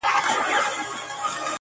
خو د غوجلې ځای لا هم چوپ او خالي دی